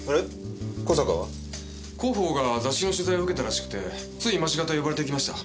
広報が雑誌の取材を受けたらしくてつい今し方呼ばれて行きました。